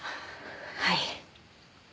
はい。